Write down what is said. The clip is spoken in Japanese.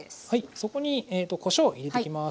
そこにこしょうを入れてきます。